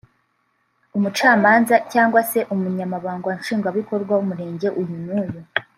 umucamanza cyangwa se Umunyamabangwa Nshingwabikorwa w’Umurenge uyu n’uyu